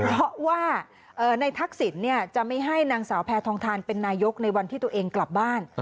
เพราะว่าในทักษิณจะไม่ให้นางสาวแพทองทานเป็นนายกในวันที่ตัวเองกลับบ้าน